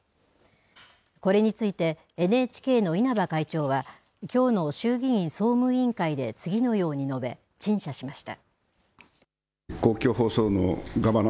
これについてＮＨＫの稲葉会長はきょうの衆議院総務委員会で次のように述べ陳謝しました。